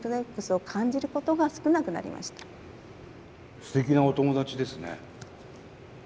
すてきなお友達ですね。